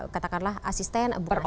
katakanlah asisten abu abu asisten ya